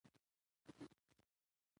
ملالۍ د اغا محمد لور ده.